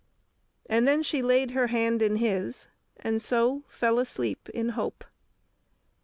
And then she laid her hand in his, and so fell asleep in hope.